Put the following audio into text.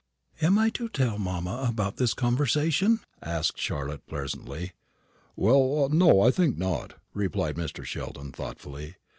"Am I to tell mamma about this conversation?" asked Charlotte, presently. "Well, no, I think not," replied Mr. Sheldon, thoughtfully.